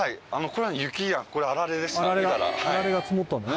あられが積もったんだね。